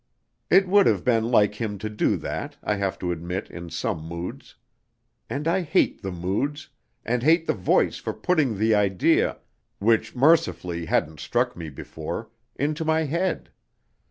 It would have been like him to do that, I have to admit in some moods. And I hate the moods, and hate the voice for putting the idea which mercifully hadn't struck me before into my head.